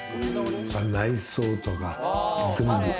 内装とか全部。